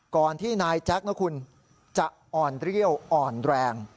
ก่อนที่นายแจ๊คนะคุณจะอ่อนเรี่ยวอ่อนแรง